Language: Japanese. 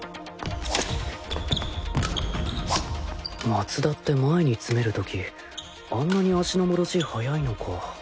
松田って前に詰める時あんなに足の戻し早いのか